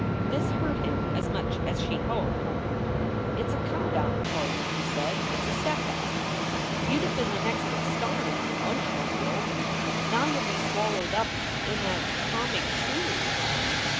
This hurt him as much as she hoped. "It s a come down for you," he said. "It s a setback. You d have been the next big star in the emotional field. Now you ll be swallowed up in a comic two reeler.